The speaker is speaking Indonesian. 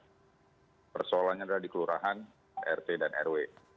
persoalannya adalah di kelurahan rt dan rw